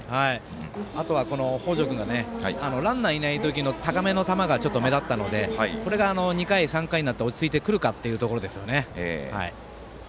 あとは北條君がランナーいない時の高めの球が目立ったので、これが２回、３回になると落ち着いてくるかっていうところですね。